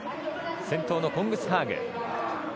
先頭のコングスハーグ。